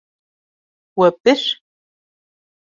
We bir.